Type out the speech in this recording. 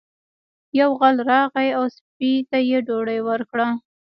یو غل راغی او سپي ته یې ډوډۍ ورکړه.